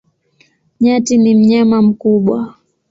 Nyati ni mnyama mkubwa.